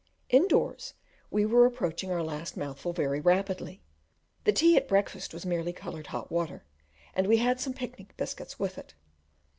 Indoors, we were approaching our last mouthful very rapidly, the tea at breakfast was merely coloured hot water, and we had some picnic biscuits with it.